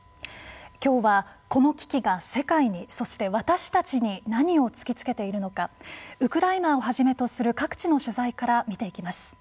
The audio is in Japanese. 今日はこの危機が世界にそして私たちに何を突きつけているのかウクライナをはじめとする各地の取材から見ていきます。